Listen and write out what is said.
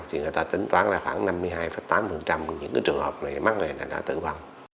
tính toán là khoảng năm mươi hai tám của những trường hợp này mắc lệ đã tử vong